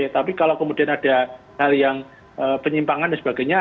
tapi kalau kemudian ada hal yang penyimpangan dan sebagainya